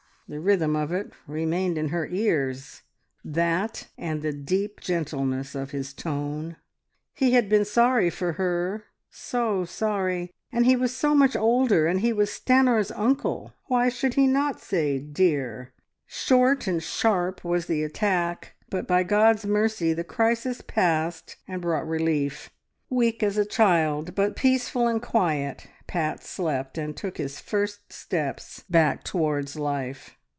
The rhythm of it remained in her ears, that, and the deep gentleness of his tone. He had been sorry for her, so sorry! And he was so much older, and he was Stanor's uncle. Why should he not say "dear?" Short and sharp was the attack, but by God's mercy the crisis passed, and brought relief. Weak as a child, but peaceful and quiet, Pat slept, and took his first steps back towards life.